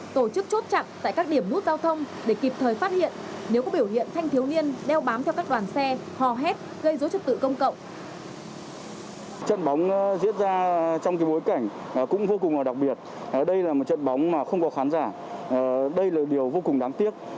tổ chức chốt chặn tại các điểm nút giao thông để kịp thời phát hiện